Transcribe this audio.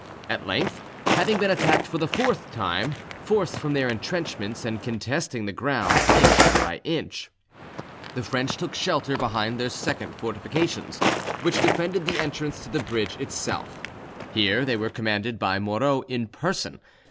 At length, having been attacked for the fourth time, forced from their entrenchments, and contesting the ground inch by inch, the French took shelter behind their second fortifications, which defended the entrance to the bridge itself: here they were commanded by Moreau in person.